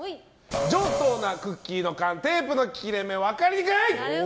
上等なクッキーの缶テープの切れ目、分かりにくい！